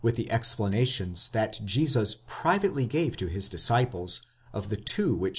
347 the explanations that Jesus privately gave to his disciples of the two which.